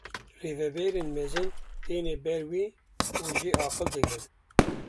Rêveberên mezin têne ber wî û jê aqil digirin.